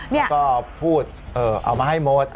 นี่ก็พูดเอามาให้หมด